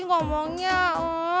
gak mau nyak